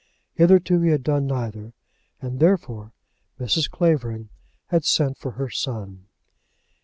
Hitherto he had done neither, and therefore Mrs. Clavering had sent for her son.